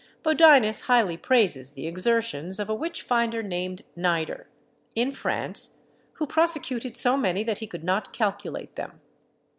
Bodinus highly praises the exertions of a witch finder named Nider, in France, who prosecuted so many that he could not calculate them.